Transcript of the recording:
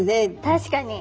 確かに。